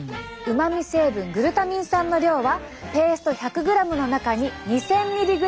うまみ成分グルタミン酸の量はペースト１００ｇの中に２，０００ｍｇ！